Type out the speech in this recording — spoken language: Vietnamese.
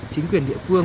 chính quyền địa phương